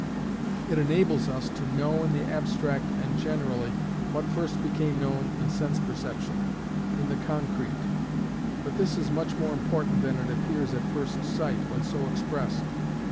It enables us to know in the abstract and generally, what first became known in sense perception, in the concrete. But this is much more important than it appears at first sight when so expressed.